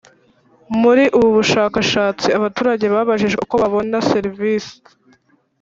Muri ubu bushakashatsi abaturage babajijwe uko babona serivisi